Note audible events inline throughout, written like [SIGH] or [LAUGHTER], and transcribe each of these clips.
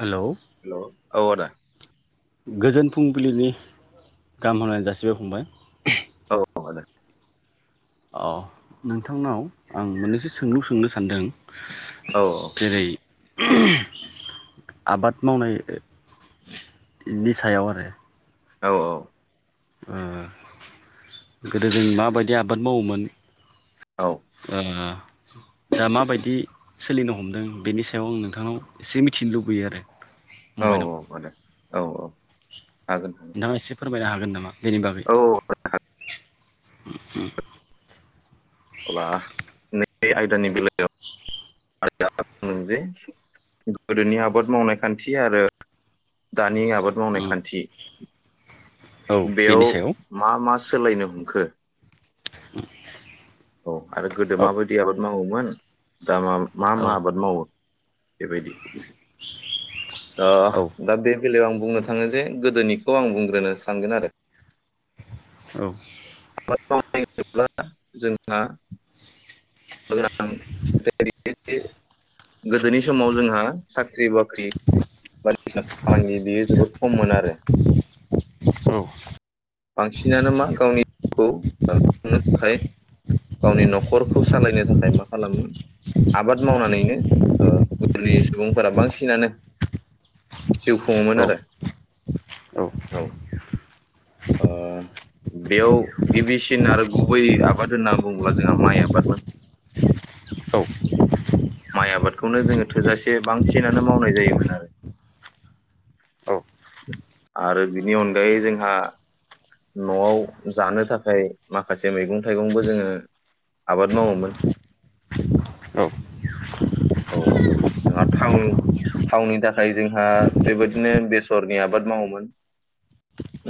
Hello hello औ आदा गोजोन फुंबिलिनि गाहाम हमलायनाय जासिबाय फंबाय औ औ आदा अ नोंथांनाव आं मोननैसो सोंलु सोंनो सानदों औ जेरै आबाद मावनायनि सायाव आरो औ औ ओ गोदो जों माबायदि आबाद मावोमोन ओं आ दा माबायदि सोलिनो हमदों बेनि सायाव आं नोंथांनाव एसे मिथिनो लुबैयो आरो औ फंबायनाव औ माने औ औ हागोन नोंथाङा एसे फोरमायनो हागोन नामा? बेनि बागै हा [UNINTELLIGIBLE] अबा न बे आयदानि बेलायाव बुंदों जे गोदोनि आबाद मावनाय खान्थि आरो दानि आबाद मावनाय उम खान्थि औ बेयाव बेनि सायाव मा मा सो सोलायनोहमखो औ आरो गोदो औ माबायदि आबाद मावोमोन? थामाम मा औ मा बाद मावो? बेबायदि ओ औ दा बे बेलायाव आं बुंनो थाङो जे गोदोनिखौ आं बुंग्रोनो सानगोन आरो औ [UNINTELLIGIBLE] जोंहा प्रग्राम [UNINTELLIGIBLE] [UNINTELLIGIBLE] गोदोनि समाव जोंहा साख्रि बाख्रि फालांगि बेयो जोबोद खममोन आरो औ बांसिनानो मा गावनि जिउखौनो थाखाय गावनि न'खरखौसो सालायनो थाखाय मा खालामोमोन आबाद मावनानैनो ओ गोदोनि सुबुंफोरा बांसिनानो जिउ खुङोमोन औ आरो औ ओ बेयाव गिबिसिन आरो गुबै आबाद होननानै बुङोब्ला जोंहा माइ आबादमोन। औ माइ आबादखौनो जोङो थोजासे बांसिनानो मावनाय जायोमोनआरो आरो बिनि अनगायै जोंहा न'आव जानो थाखाय माखासे मैगं-थाइगंबो जोङो आबाद मावोमोन। औ आंहा थां थावनि थाखाय जोंहा बेबायदिनो बेसरनि आबाद मावोमोन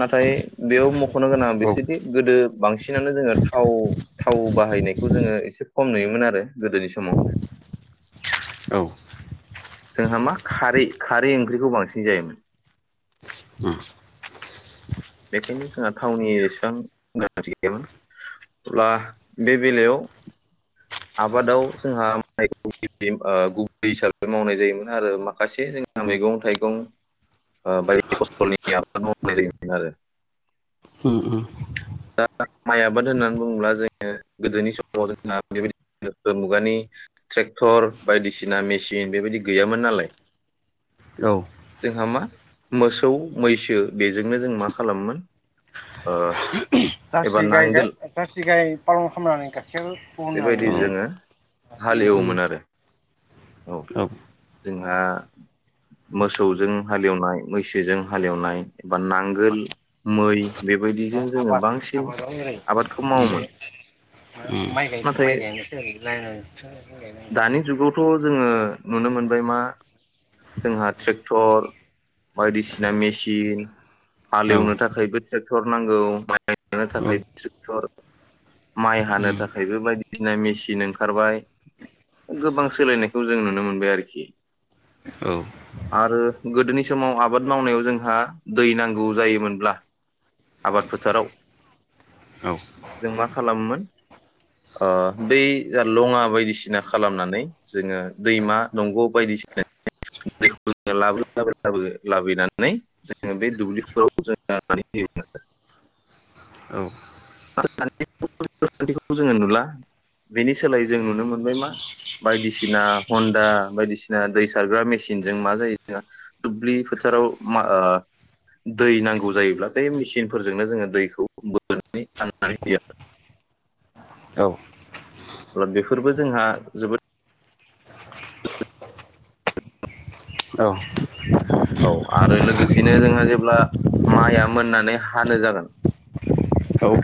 नाथाय बेयाव मख' खनो गोनां औ बिसोरदि गोदो बांसिन खिनोनो जोङो थाव-थाव बाहायनायखौ जोङो एसे खम नुयोमोन आरो गोदोनि समाव जोंहा मा खारै-खारै ओंख्रिखौ बांसिन जायोमोन उम बेखायनो जोंहा थावनि एसेबां गाज्रि गैयामोन अब्ला बे बेलायाव आबादाव जोंहा माइखौ गिबि ओ गुबै हिसाबै मावनाय जायोमोन आरो माखासे जोंहा मैगं थाइगं ओ बायदि फसलनि आबाद मावनाय जायोमोन आरो उम उम दा माइ आबाद होननानै बुङोब्ला जोङो गोदोनि समाव जोंहा बेबायदि मुगानि ट्रेक्टर बायदिसिना मेसिन बेबायदि गैयामोन नालाय औ जोंहा मा मोसौ मैसो बेजोंनो जों मा खालामोमोन ओ एबा जारसि गाय-गाय नांगोल जारसि गाय फालन खालामनानै गाइखेर बहनानै बेबायदि जोङो लासिगोन ओ हालेवोमोन आरो औ आ मोसौजों हालेवनाय मैसोजों हालेवनाय बा नांगोल मै बेबायदिजों दा जोङो आबाद बांसिन आबादाव ओरै उम आबादखौ मोनसे मावोमोन उम माइ-गाय नाथाय माइ गायनोसो ओरैनो गाय दानि जुगावथ' जोङो नुनो मोनबाय मा जोंहा ट्रेक्टर बायदिसिना मेसिन हालेवनो औ थाखायबो ट्रेक्टर नांगौ। माइ गाइनो औ थाखाय ट्रिकटर माइ हानो उम थाखायबो बायदिसिना मेसिन ओंखारबाय गोबां सोलायनायखौ जों नुनो मोनबाय आरोखि औ आरो गोदोनि समाव आबाद मावनायाव जोंहा दै नांगौ जायोमोनब्ला आबाद फो फोथाराव जों मा खालामोमोन ओ बै जा लङा बायदिसिना खालामनानै जोङो दैमा दंग' बायदिसिना दैखौ लाबो लाबोबो लाबानै जोङो बे दुब्लिफोराव जों होयोमोन। [INAUDIBLE] औ जोङो नुला बेनि सोलायै जों नुनो मोनबाय मा बायदिसिना हन्दा बायदिसिना दै सारग्रा मेसिनजों मा जायो जोंहा दुब्लि फोथाराव मा ओ दै नांगौ जायोब्ला बे मेसिन फोरजोंनो जोङो दैखौ बोनानै राननानै होयो। औ अब्ला बेफोरबो जोंहा जोबोद औ। औ आरो लोगोसेनो जोंहा जेब्ला माइया मोननानै हानो जागोन औ औ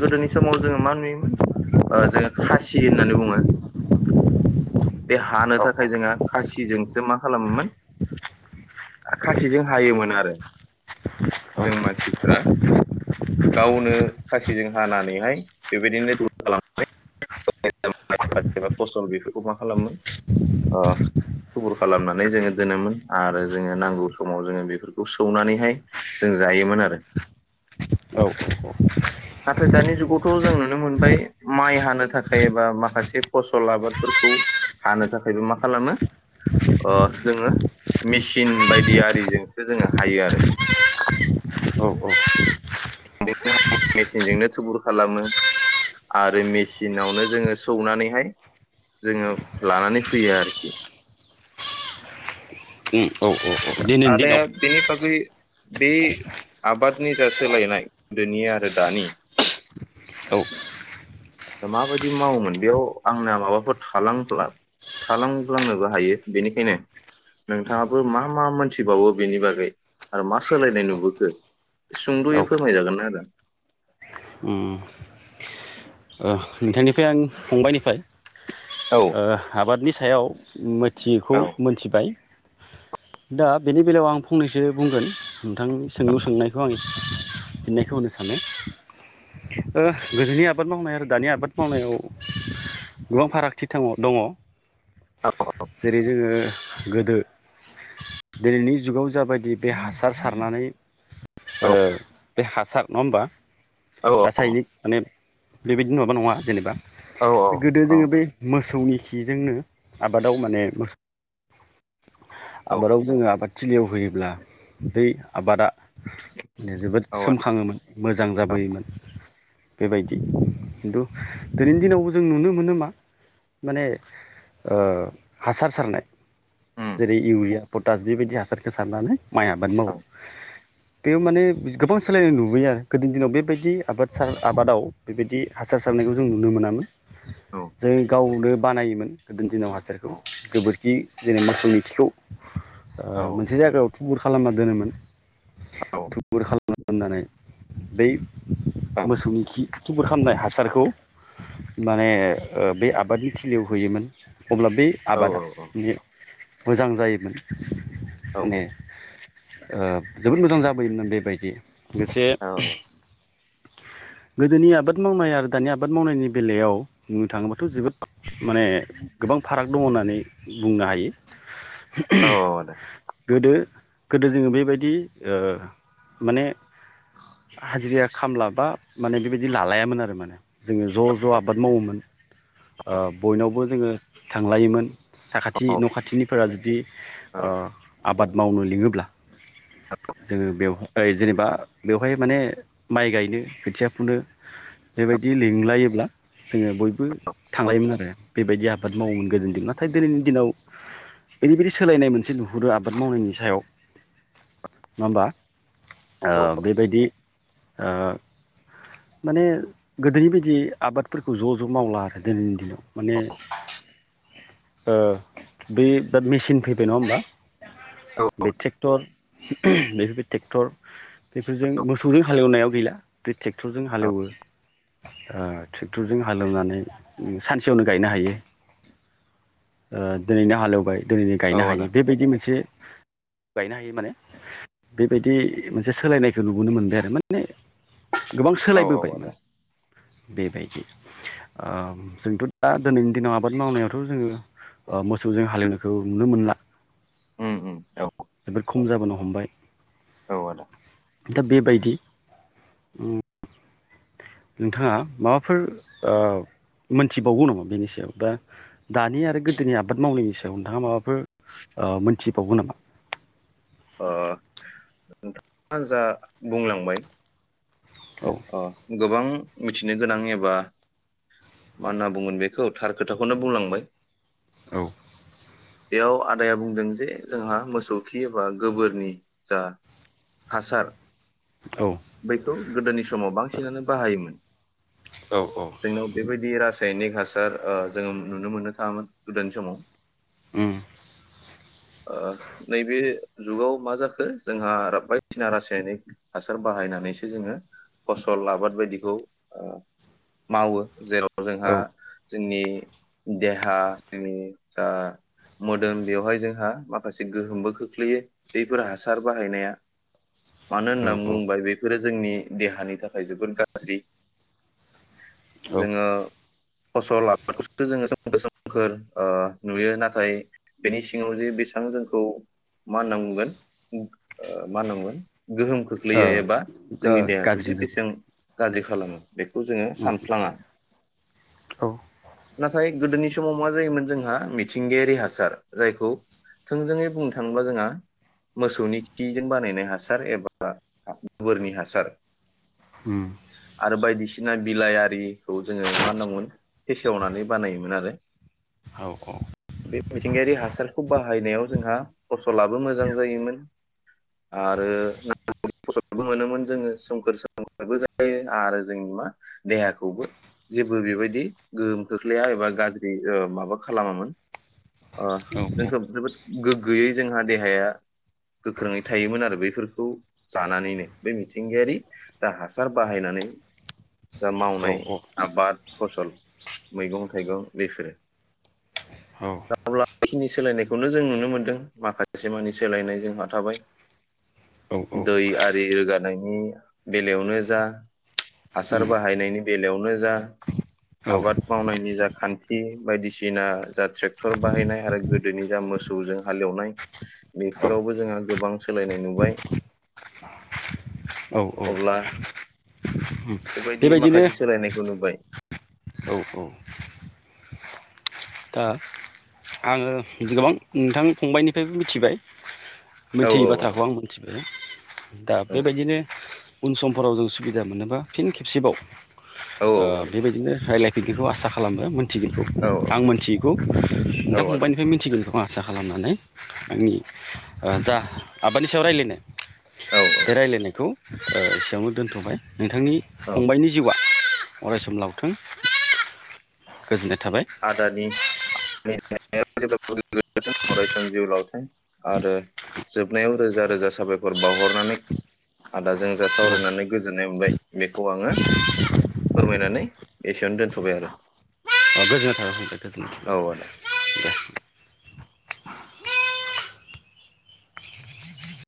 गोदोनि समाव जोङो मा नुयोमोन ओ जोङो खासि होननानै बुङो बे हानो थाखाय जोङो खासिजोंसो मा खालामोमोन खासिजों हायोमोन आरो जों मानसिफोरा गावनो। खासिजों हानानैहाय बेबायदिनो दुल खालामबाय [INAUDIBLE] फस्टल बेफोरखौ मा खालामो ओ थुफुर खालामनानै जोङो दोनोमोन आरो जोङो नांगौ समाव जोङो बेफोरखौ सौनानैहाय जों जायोमोन आरो। नाथाय दानि जुगावथ' जों नुनो मोनबाय माइ हानो थाखाय एबा माखासे फसल आबादफोरखौ हानो थाखायबो मा खालामो ओ जोङो मेचिन बायदि आरिजोंसो जोङो हायो आरो। उम [INAUDIBLE] मेचनजोंनो थुबुर खालामो आरो मेचिनावनो जोङो सौनानैहाय जोङो लानानै फैयो आरोखि। औ औ दिनैनि आदाया दिनाव बिनि बागै बे आबादनि जा सोलायनाय गोदोनि आरो दानि औ दा माबायदि मावोमोन बेयाव आंना माबाफोर थांलां थालांफ्लांनोबो हायो बेनिखायनो नोंथाङाबो मा मा मोनथिबावो बेनि बागै आरो मा सोलायनाय नुबोखो सुंद'यै औ फोरमायजागोन ना आदा। उम ओ नोंथांनिफ्राय आं फंबायनिफ्राय औ ओ आबादनि थायाव मो मिथियैखौ औ मोनथिबाय। दा बेनि बेलायाव आं फंनैसो बुंगोन नोंथांनि सोंलु सोंनायखौ आं फिननायखौ होनो सानो ओ गोदोनि आबाद मावनाय आरो दानि आबाद मावनायाव गोबां फारागथि थङ दङ। जेरै जोङो। गोदो दिनैनि जुगाव जाबायदि बे हासार सारनानै ओ बे हासार नङा होमबा औ रासायनिक माने बेबायदि नङाबा नङा जेनेबा औ गोदो औ जोङो बे मोसौनि खिजोंनो आबादाव माने मोसौ। आबादाव जोङो आबाद थिलियाव होयोब्ला दै आबादा जोबोद औ सोमखाङोमोन मोजां औ जाबोयोमोन। बे बायदि। खिन्थु दिनैनि दिनावबो जों नुनो मोनो मा माने हासार सारनाय उम जेरै इउरिया पटास बेबायदि हासारखौ सारनानै माइ आबाद औ मावो। बेयाव माने गोबां सोलायनाय नुबोयो आरो गोदोनि दिनाव बेबायदि आबाद आबादाव बेबायदि। हासार सारनायखौ जों नुनो मोनामोन। औ जों गावनो। बानायोमोन गोदोनि दिनाव हासारखौ गोबोरखि जेने मोसौनि खिखौ। औ मोनसे जायगायाव थुबुर खालामनानै। दोनो मोननो। औ थुबुर खालामन खालामनानै बै मोसौनि खिख थुबुर खालामनाय हासारखौ माने बे आबादनि थिलियाव होयोमोन। अब्ला बे औ आबादा बेयो मोजां जायोमोन। माने। ओ जोबोद मोजां जाबोयोमोन बेबायदि। लोगोसे गोदोनि आबाद मावनाय आरो दानि आबाद मावनायनि बेलायाव। थाङोबाथ जोबोद माने। गोबां फाराग दङ होननानै बुंनो हायो। गोदो गोदो जोङो बेबायदि ओ माने हाजिरा खामलाबा माने बेबायदि लालायामोन आरो माना जोङो ज ज आबाद मावोमोन ओ बयनावबो जोङो थांलायोमोन। साखाथि न खाथिनिफोरा जोबोद। दि ओ। औ आबाद मावनो लिङोब्ला जोङो बेव ओ जेनेबा बेवहाय माने माइ गायनो खोथिया फुनो बेबाय बिदि लिंलायोब्ला जोङो बयबो थांलायोमोन आरो। बेबायदि आबाद मावोमोन गोदोनि दिन नाथाय दिनैनि दिनाव ओरैबायदि सोलायनाय मोनसे नुहुरो आबाद मावनायनि सायाव नङा होमबा? ओ औ बेबायदि ओ माने गोदोनि बायदि आबादफोरखौ ज ज मावला आरो दिनैनि दिनाव माने ओ बे दा मेचिन फैबाय नङा होमबा? बे ट्रेक्टर बे ट्रेक्टर बेफोरजों औ मोसौजों हालेवनायाव गैला बे ट्रेक्टरजों औ हालेवो ओ ट्रेक्टरजों हालौनानै सानसेयावनो गायनो हायो ओ दिनैनो हालौबाय दिनैनो औ गायनो आदा हायो बेबायदि मोनसे गायनो हायो माने बेबायदि मोनसे सोलायनायखौ नुबोनो मोनबाय आरो माने गोबां औ सोलायबोबाय औ आदा माने बेबायदि ओ जोंथ' दा दोनैनि दिनाव आबाद मावनायावथ' जोङो ओ मोसौजों हालेवनायखौ नुनो मोनला। उम उम औ। जोबोद खम जाबोनो हमबाय। औ आदा। दा बेबायदि उम नोंथाङा माबाफोर ओ मोनथिबावगौ नामा बेनि सायाव बा दानि आरो गोदोनि आबाद मावनायनि सायाव नोंथाङा माबा फोर ओ मोन थिबावगौ नामा? ओ नोंथाङा जा बुंलांबाय औ अ' गोबां मिथिनो गोनां एबा मा होनना बुंगोन बेखौ थार खोथाखौनो बुंलांबाय औ बेयाव आदाया बुंदों जे जोंहा मोसौ खि एबा गोबोरनि जा हासार औ खौ गोदोनि समाव बांसिनानो बाहायोमोन। जोंनाव बेबायदि राज सायनिक हासार ओ जोङो नुनो मोननो थाङामोन गोदोनि समाव उम ओ नैबे जुगाव मा जाखो जोंहा बायदिसिना रासायनिक हासार बाहायनानैसो जोङो फसल आबाद बायदिखौ ओ मावो जेराव जोंहा औ जोंनि देहा जोंनि ओ मोदोम बेवहाय जोंहा माखासे गोहोमबो खोख्लैयो बेफोर हासार बाहायनाया। मानो औ होनना बुङोबा बे आरो जोंनि देहानि थाखाय जोबोद गाज्रि। औ जोङो फसल लाखौसो जोङो सोमखोर सोमखोर ओ नुयो नाथाय बेनि सिङाव जे बेसेबां जोंखौ मा होनना बुंगोन ओ मा होना बुंगोन गोहोम ओ खोख्लैयो एबा ओ जोंनि देहाखौ गाज्रि जे गोहोम बेसां गाज्रि खालामो बेखौ जोङो उम सानफ्लाङा। औ नाथाय गोदोनि समाव मा जायोमोन जोंहा मिथिंगायारि हासार जायखौ थोंजोङै बुंनो थाङोब्ला जोंहा मोसौनि खिजों बानायनाय हासार एबा। गोबोरनि हासार। उम आरो बायदि। बिना बिलाइारिखौ जोङो मा होनां बुंगोन। फेसेवनानै बानायोमोन आरो। औ बे मिथिंगायारि हासारखौ बाहायनायाव जोंहा। फसलाबो मोजां जायोमोन। आरो [UNINTELLIGIBLE] मोनोमोन जोङो सोमखोर सोमखोरबो जायो आरो जोंनि मा देहाखौबो जेबो बेबायदि गोहोम खोख्लैया एबा गाज्रि ओ माबा खालामामोन। अ उम औ जोंखौ जोबोद। गोग्गोयै जोंहा देहाया गोख्रोङै थायोमोन आरो बेफोरखौ जानानै। बे मिथिंगायारि जा हासार बाहायनानै। जा मावनाय आबाद फसल। मैगं थाइगं बिसोरो। औ। बेखिनि सोलायनायखौनो जों नुनो मोन्दों माखासे मानि सोलायनाय जोंहा थाबाय। औ औ। दै रोगानायनि बेलायावनो जा हासार बाहायनायनि बेलायावनो जा औ आबाद मावनायनि जा खान्थि बायदिसिना जा ट्रेक्टर बाहायनाय आरो गोदोनि जा मोसौजों हालेवनाय बेफोरावबो जोंहा गोबां सोलायनाय नुबाय। औ औ। अब्ला उम बेबायदि बेबायदिनो माखासे सोलायनायखौ नुबाय। औ औ। दा आङो गोबां नोंथां फंबायनिफ्रायबो मिथिबाय। औ मिथियै आदा बाथ्राखौ आं मिथिबाय दा औ बेबायदिनो। उन समफोराव जों सुबिदा मोनोबा फिन खेबसेबाव‌। औ ओ बेबायदिनो राय्लाय। बिदिखौ आसा खालामो। [UNINTELLIGIBLE] आं मोन। दा आदा फंबनिफ्राय मिथिगौ। बेखौ आं आसा खालामनानै आंनि जा आबादनि सायाव रायज्लायनो। औ आदा औ औ बे राय्लायनायखौ। एसेबांनो दोनथ बाय। नोंथांनि औ फंबायाइनि जिउआ। अरायस लावथों। गोजोननाय थाबाय। [UNINTELLIGIBLE] अरायसम जिउ लावथों आरो जोबनायाव रोजा रोजा साबायखर बावहरनानै आदाजों जा औ सावरायनानै गोजोननाय मोनबाय बेखौ आङो फोरमायनानै एसेयावनो दोनथ बाय आरो। औ आदा [UNINTELLIGIBLE]